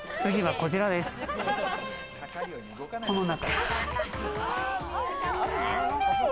この中。